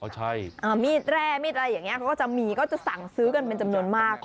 ใช่มีดแร่มีดอะไรอย่างนี้เขาก็จะมีก็จะสั่งซื้อกันเป็นจำนวนมาก